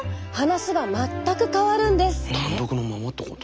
単独のままってこと？